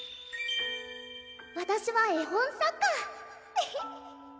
わたしは絵本作家エヘッ